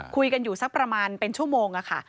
คุยกันอยู่สักประมาณเป็นชั่วโมงค่ะ